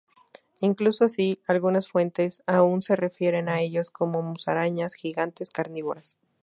Incluso así, algunas fuentes aún se refieren a ellos como musarañas gigantes carnívoras.